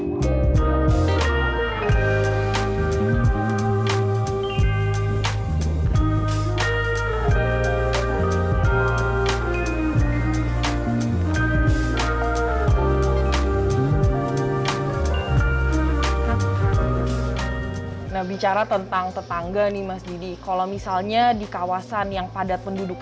hai nah bicara tentang tetangga nih mas didi kalau misalnya di kawasan yang padat penduduk